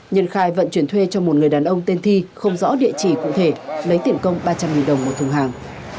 nhân khai vận chuyển thuê cho một người đàn ông tên thi không rõ địa chỉ cụ thể lấy tiền công ba trăm linh đồng một thùng hàng